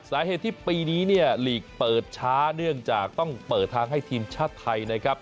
สาเหตุที่ปีนี้เนี่ยลีกเปิดช้าเนื่องจากต้องเปิดทางให้ทีมชาติไทยนะครับ